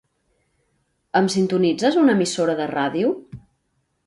Em sintonitzes una emissora de ràdio?